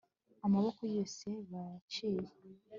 Amaboko yose bayaciye